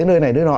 nơi này nơi đó